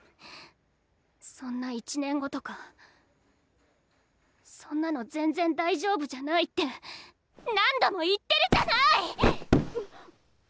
そんな１年後とかそんなの全然大丈夫じゃないって何度も言ってるじゃない！